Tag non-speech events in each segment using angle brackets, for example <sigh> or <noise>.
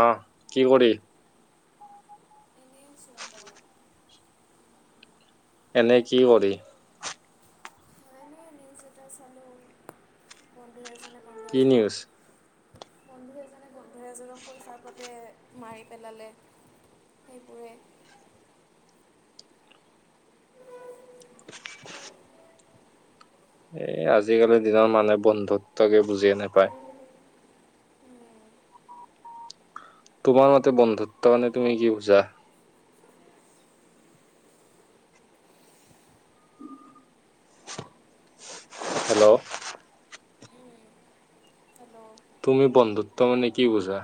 অঁহ কি কৰি? <unintelligible> এনেই কি কৰি? জোটা চালো, বন্ধু এজনে বন্ধু কি এজনক, নিউজ বন্ধু এজনে বন্ধু এজনক পইচাৰ বাবে মাৰি পেলালে, সেইবোৰে। এ আজিকালিৰ দিনৰ মানুহে বন্ধুত্ব কি বুজিয়ে নাপায়। তোমাৰ মতে বন্ধুত্ব মানে তুমি কি বুজা? হেল্ল'? হেল্ল'? তুমি বন্ধুত্ব মানে কি বুজা?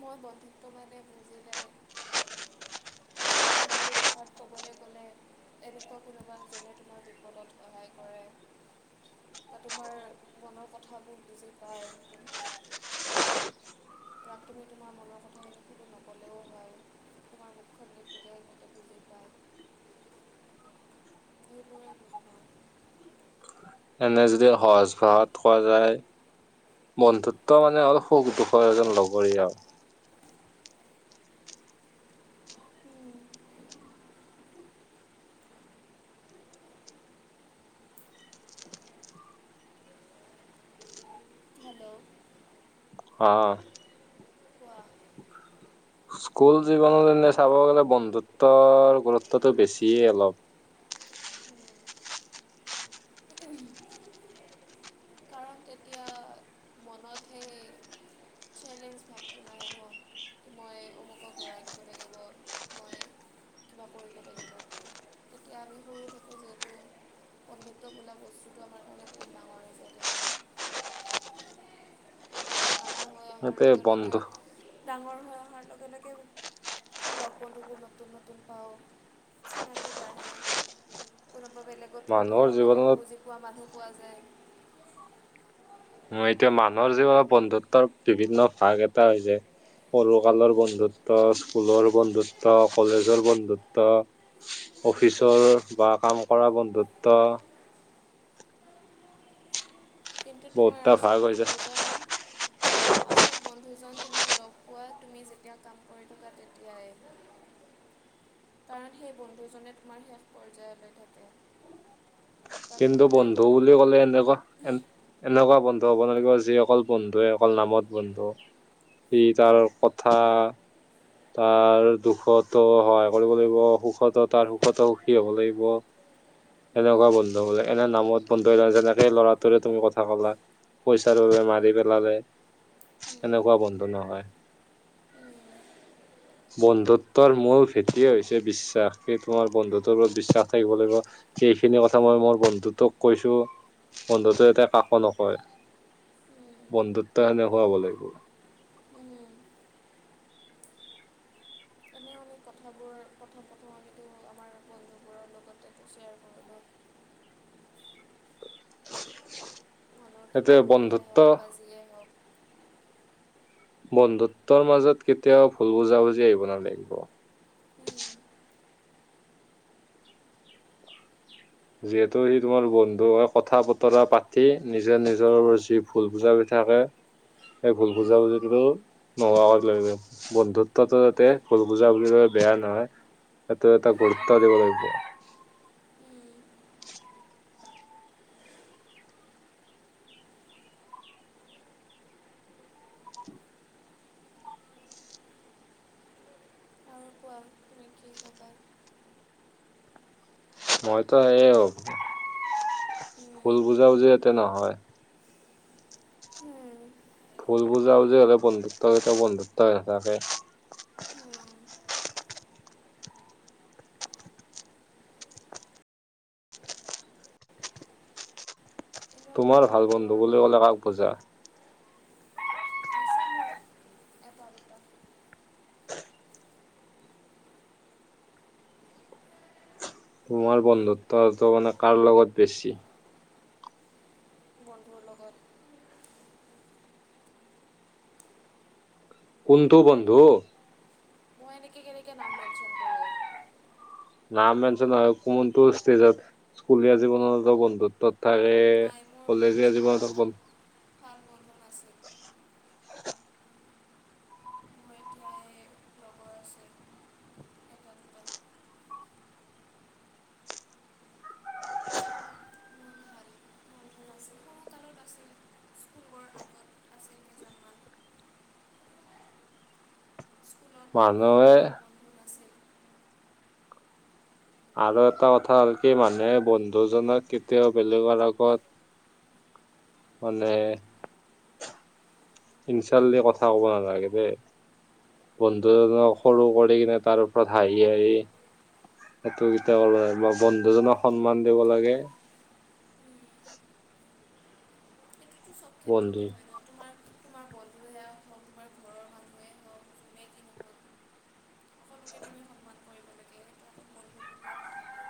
মই বন্ধুত্ব মানে বুজিলে মই মোৰ ভাষাত ক'বলৈ গ'লে এনেকুৱা কোনোবা এজনে তোমাৰ বিপদত সহায় কৰে। বা তোমাৰ মনৰ কথাবোৰ বুজি পায়। তাক তুমি তোমাৰ মনৰ কথাখিনি খুলি নক'লেও হয়, তোমাৰ মুখখন দেখিলেই বুজি পায় সেইবোৰেই বুজোঁ মই। এনে যদি সহজ ভাষাত কোৱা যায়। বন্ধুত্ব মানে হ'ল সুখ দুখৰ এজন লগৰী আৰু। মই হেল্ল'? অঁ। কোৱা? স্কুল জীৱনত এনে চাব গ'লে বন্ধুত্বৰ গুৰুত্বটো বেছিয়ে অলপ। উম, কাৰণ তেতিয়া মনত সেই চেলেঞ্জ ভাৱটো নাহে নহয়। মই অমুকক ঘূৰাই দিব লাগিব মই কিবা কৰি ল'ব লাগিব, তেতিয়া আমি সৰু থাকোঁ যিহেতু বন্ধুত বোলা বস্তুটো আমাৰ কাৰণে বহুত ডাঙৰ আছিল তেতিয়া। ডাঙৰ হৈ অহাৰ এতে লগে লগে বন্ধু ডাঙৰ হৈ অহাৰ লগে লগে লগ বন্ধুবোৰ নতুন নতুন পাওঁ চিনাকি বাঢ়ে। কোনোবা বেলেগতকৈ মানুহৰ কোনোবা বেলেগ জীৱনত বুজি পোৱা মানুহ পোৱা যায়। অ', এতিয়া মানুহৰ জীৱনত বন্ধুত্বৰ বিভিন্ন ভাগ এটা হৈ যায়। সৰু কালৰ উম, বন্ধুত্ব, স্কুলৰ বন্ধুত্ব, কলেজৰ বন্ধুত্ব। অফিচৰ বা কাম কৰা বন্ধুত্ব। কিন্তু তোমাৰ বহুতটা ভাগ আচল হৈছে বন্ধুজন। আচল বন্ধুজন তুমি লগ পোৱা তুমি যেতিয়া কাম কৰি থকা তেতিয়াই। কাৰণ সেই বন্ধুজনে তোমাৰ শেষ পৰ্যায়লৈ থাকে। বাকী কিন্তু সদায় বন্ধু বুলি বন্ধুবোৰ ক'লে এনেকুৱা এনেকুৱা বন্ধু হ'ব নালাগিব, যি অকল বন্ধুৱে অকল নামত বন্ধু। কি তাৰ ঔষধ খা। তাৰ দুখতো সহায় কৰিব লাগিব, সুখতো তাৰ সুখতো সুখী হ'ব লাগিব। এনেকুৱা বন্ধু হ'ব লাগে, এনে নামত বন্ধু নহয় যেনেকে ল'ৰাটোৰে তুমি কথা কলা। পইচাৰ বাবে মাৰি পেলালে, এনেকুৱা বন্ধু নহয়। <inaudible> বন্ধুত্বৰ মূল ভেটিয়ে হৈছে বিশ্বাস, এই তোমাৰ বন্ধুত্বৰ ওপৰত বিশ্বাস থাকিব লাগিব। সেইখিনি কথা মই মোৰ বন্ধুটোক কৈছো বন্ধুতোৱে যাতে কাকো নকয়। বন্ধুত্ব সেনেকুৱা হ'ব লাগিব। এনে আমি কথাবোৰ কথা <unintelligible> আমাৰ বন্ধুবোৰৰ লগত শ্বেয়াৰ কৰিলোঁ। <unintelligible> কিবা সেইটোৱে দুখেই বন্ধুত্ব হওঁক বা যিয়েই হওঁক। বন্ধুত্বৰ মাজত কেতিয়াও ভুল বুজা-বুজি আহিব নালাগিব। যিহেতু সি তোমাৰ বন্ধু হয় কথা বতৰা পাতি নিজে নিজৰ যি ভুল বুজা-বুজি থাকে, সেই ভুল বুজা-বুজিটো নোহোৱা হব লা, বন্ধুত্বতো যাতে ভুল বুজা-বুজি বাবে বেয়া নহয়। সেইটো এটা গুৰুত্ব দিব লাগিব। আৰু কোৱা তুমি কি ভাবা? মইতো সেয়ে ভুল ভাবা বুজা-বুজি যাতে নহয়। ভুল বুজা-বুজি হ'লে বন্ধুত্ব কেতিয়াও বন্ধুত্ব হৈ নাথাকে। উম। তোমাৰ ভাল বন্ধু লগৰবোৰৰ বুলি লগত কলে কাক বুজা? আছে মোৰ এটা দুটা। তোমাৰ বন্ধুত্বটো মানে কাৰ লগত বেছি? বন্ধুৰ লগত। কোনটো বন্ধু? মই এনেকে কেনেকে নাম মেনচন কৰো। নাম মেচন নহয়, কোনটো স্তেজত স্কুলীয়া জীৱনত বন্ধুত্বত তাৰে নাই মোৰ মোৰ কলেজীয়া স্কুলত জীৱনত ভাল ব <unintelligible> <unintelligible> <unintelligible> লগৰ আছে। এটা দুটা স্কুলত মোৰ ভাল বন্ধু নাছিল সৰুকালত আছিল স্কুল গৈ আগত আছিল কেইজনমান স্কুলত তেনেকৈ মানুহে ভাল বন্ধু আৰু এটা কথা হ'ল কি মানুহে বন্ধুজনক কেতিয়াও বেলেগৰ আগত মানে ইনচাল দি কথা কব নালাগে দে। বন্ধুজনক নাছিল সৰু কৰি কিনে তাৰ ওপৰত হাঁহি হাঁহি সেইটো কেতিয়াও কৰিব নালাগে, বন্ধুজনক সন্মান দিব লাগে। সেইটোতো চব বন্ধু ক্ষেত্ৰতে হয় ন তোমাৰ তোমাৰ বন্ধু হে আৰু <unintelligible> আমাৰ ঘৰৰ <unintelligible> যোনে কি নহওক সকলোকে তুমি <inaudible> সন্মান কৰিব লাগে সেইটো অকল বন্ধু বুলিয়ে কথা নাই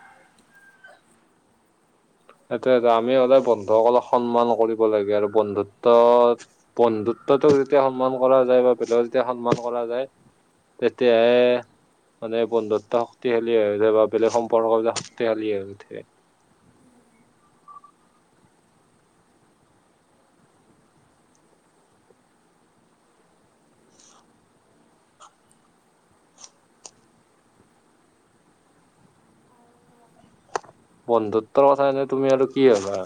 সেইটো এটা আমি সদায় বন্ধুসকলক সন্মান কৰিব লাগে আৰু বন্ধুত্বত বন্ধুত্বটোক যেতিয়া সন্মান কৰা যায় বা বেলেগক যেতিয়া সন্মান কৰা যায়। তেতিয়াহে মানে বন্ধুত্ব শক্তিশালী হৈ উঠে বা বেলেগ সম্পৰ্কবিলাক শক্তিশালী হৈ উঠে। বন্ধুত্বৰ কথা এনে তুমি আৰু কি ভাবা?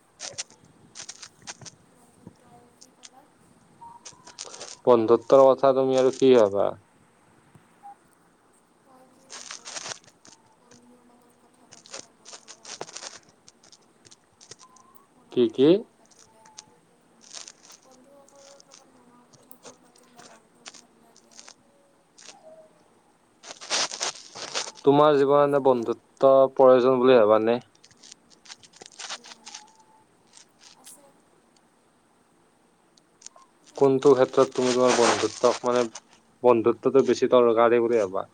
<inaudible> আৰু বন্ধুত্ব আৰু কি ক'লা মই কি বন্ধুত্বৰ কথা তুমি আৰু কি ভাবা? ভাবোঁ বন্ধুৰ লগত কথা পাতিলে মনটো ভাল লাগে মনৰ কি কি? কথাবোৰ পাতিলে বন্ধুসকলৰ <inaudible> লাগে তোমাৰ জীৱনত আগতে এনে যেতিয়া বন্ধুত্ব প্ৰয়োজন বুলি ভাবানে? আছে সেইটো কোনটো সকলোৰে ক্ষেত্ৰত তুমি জীৱনত তোমাৰ থাকে বন্ধুত্বক মানে বন্ধুত্বটো বেছি দৰকাৰী বুলি ভবা?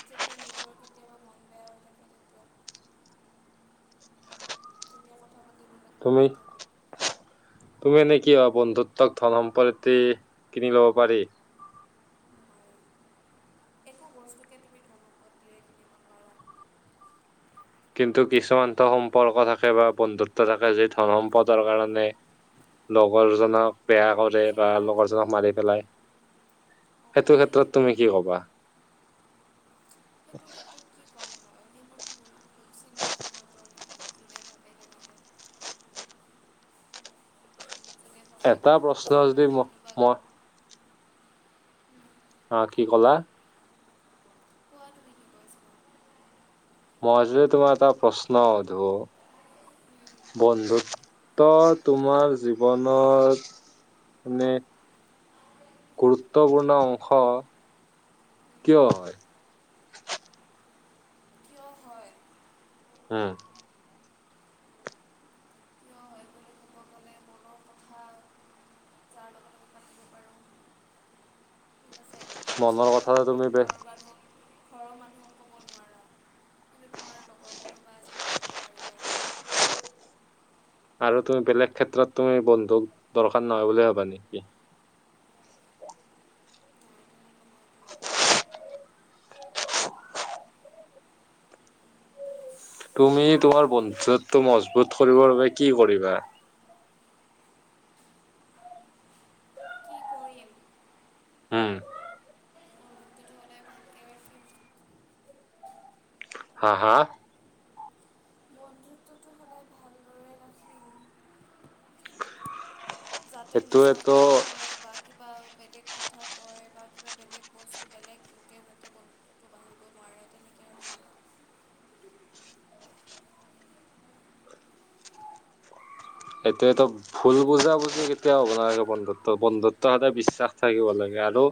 <inaudible> মন বেয়া হৈ থাকে তেতিয়া তেতিয়া কথা পাতিবলৈ কোনো নাথাকে তুমি? তুমি এনেই কি ভাবা বন্ধুত্বক ধন সম্পত্তি দি কিনি ল'ব পাৰি? নোৱাৰে একো বস্তুকে তুমি ধমকত দিয়ে কিনিব নোৱাৰা কিন্তু কিছুমানটো সম্পৰ্ক থাকে বা বন্ধুত্ব থাকে যি ধন সম্পদৰ কাৰণে লগৰ জনক বেয়া কৰে বা সেইবোৰক লগৰ জনক মাৰি পেলায়, অঁ সেইটো পাৰি ক্ষেত্ৰত সেইবোৰ তুমি কি কবা? সেইটো <inaudible> ক্ষেত্ৰত কি ক'ম মই সেইবোৰ <inaudible> যোনে ভাবে তেনেকৈ যোনে ভাবে কি এটা মই প্ৰশ্ন পইচাৰ যদি কাৰণে মোক কোনোবাক মই অ', কি কলা? কোৱা তুমি কি কৈছিলা মই যদি তোমাক এটা প্ৰশ্ন সোধো বন্ধুত্বৰ তোমাৰ জীৱনত <inaudible> গুৰুত্বপূৰ্ণ অংশ কিয় হয়? কিয় হয়? উম। কিয় হয় বুলি ক'ব গ'লে <inaudible> পাৰোঁ মনৰ কথাটো তুমি পৰৰ বে মানুহ, ঘৰৰ মানুহ লগৰ কোনোবা এজনক ক'ব <inaudible> পাৰিবা আৰু তুমি বেলেগ ক্ষেত্ৰত তুমি বন্ধুক দৰকাৰ নহয় বুলি ভবা নেকি? নহয় তুমি মই এইটো তুমি তোমাৰ বন্ধুত্বটো মজবুত কৰিবৰ বাবে কি কৰিবা? <inaudible> উম। বন্ধুত্বটো সদায় ভালকৈ ৰাখিম হা হা? বন্ধুত্বটো সদায় ভালদৰে ৰাখিম যাতে মিছা সেইটোৱেতো কথা কয় বা কি বা বেলেগ কথা কয় বা কিবা বেলেগ বস্তু বেলেগ লোকে যাতে বন্ধুত্বটো বাঢ়িব নোৱাৰে তেনেকৈ ৰাখিম এতিয়াতো ভুল বুজা বুজি কেতিয়াও হ'ব নালাগে বন্ধুত্বত, বন্ধুত্ব সদায় বিশ্বাস থাকিব লাগে আৰু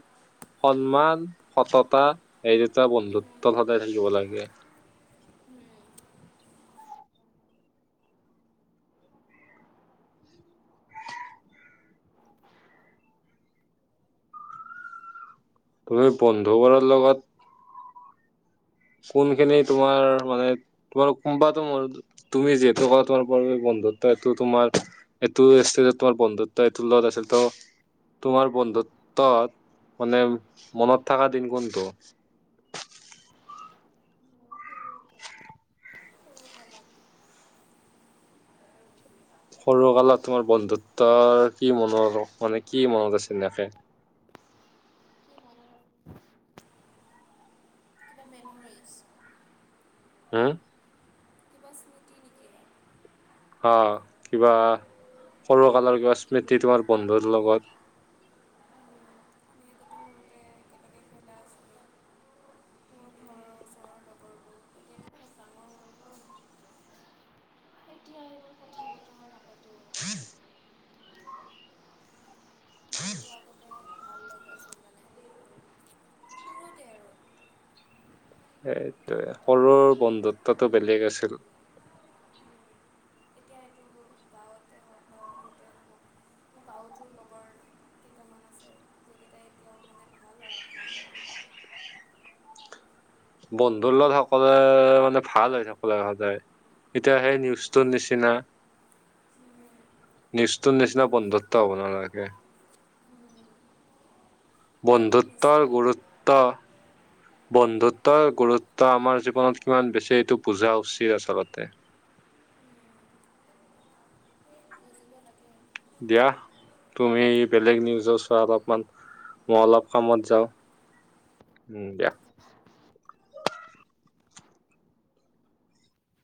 সন্মান, সততা এই দুটা বন্ধুত্বত সদায় সৰু থাকিব লাগে। তুমি বন্ধুবোৰৰ লগত কোনখিনি তোমাৰ মানে, তোমাৰ কোনোবাটো মৰো তুমি যিহেতু কোৱা তোমাৰ বাবে বন্ধুত্বটো তোমাৰ এইটো ষ্টেজত তোমাৰ বন্ধুত্ব এইটোৰ লগত আছিল তো তোমাৰ বন্ধুত্বত, মানে মনত থাকা দিন কোনটো? কালত কি মনত আছে সৰু কালত তোমাৰ বন্ধুত্বৰ কি মন, মানে কি মনত আছে এনেকে। মোৰ মেম'ৰিছ হ'ম। <inaudible> অ, কিবা সৰু কালৰ কিবা স্মৃতি তোমাৰ বন্ধুৰ লগত। আমি আগতে সৰুতে একেলগে খেলা আছিলোঁ <inaudible> লগৰবোৰ এতিয়া বহুত ডাঙৰ হ'ল ন এতিয়া এইবোৰ কথা- বতৰা নাপাতো। <inaudible> <unintelligible> মানে সৰুতে আৰু। সেইটোয়ে এটা বয়সত সৰুৰ বন্ধুত্বটো বেলেগ আছিল। এতিয়া এইটো গাঁৱতে হওক বা ঘৰতে আৰু তোৰ খবৰ? মানে ভাল আৰু ভাল লগৰ বন্ধুৰ লগ সকলে মানে ভাল হৈ থাবলৈ লাগে সদায়। এতিয়া সেই নিউজটোৰ নিচিনা। নিজটোৰ নিচিনা বন্ধত্ব হ'ব নালাগে। সেইবোৰ মিছা বন্ধুত্বৰ গুৰুত্ব বন্ধুত্বৰ গুৰুত্ব আমাৰ জীৱনত কিমান বেছি এইটো বুজা উচিত আচলতে। বুজিব লাগে দিয়া তুমি বেলেগ নিউজ‌ চোৱা বা অলপমান মই অলপ কামত যাও, উম, দিয়া।